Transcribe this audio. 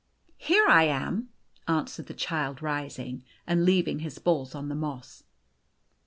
" Here I ain," answered the Child, rising and leaving his balls on the moss.